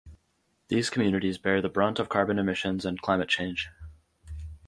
These communities bear the brunt of carbon emissions and climate change.